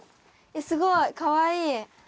すごい！かわいい！